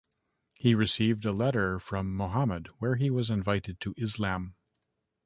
He received a letter from Muhammad where he was invited to Islam.